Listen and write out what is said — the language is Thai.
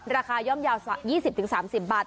ราคาย่อมยาว๒๐๓๐บาท